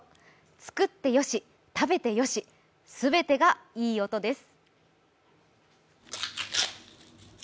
作ってよし、食べてよし全てがいい音です。